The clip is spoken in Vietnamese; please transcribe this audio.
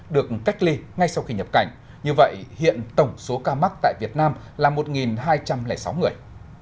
được cách ly ngay sau khi nhập cảnh như vậy hiện tổng số ca mắc tại việt nam là một hai trăm linh sáu người